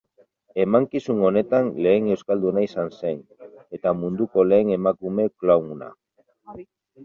Emankizun honetan lehen euskalduna izan zen, eta munduko lehen emakume klowna.